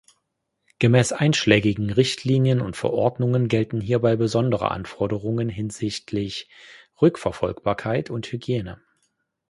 Gemäß einschlägigen Richtlinien und Verordnungen gelten hierbei besondere Anforderungen hinsichtlich Rückverfolgbarkeit und Hygiene.